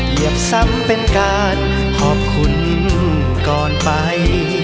เหยียบซ้ำเป็นการขอบคุณก่อนไป